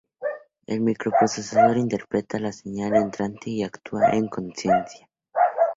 El microprocesador interpreta la señal entrante y actúa en consecuencia.